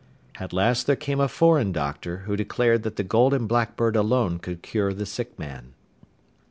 At last there came a foreign doctor, who declared that the Golden Blackbird alone could cure the sick man.